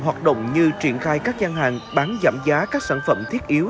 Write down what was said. hoạt động như triển khai các gian hàng bán giảm giá các sản phẩm thiết yếu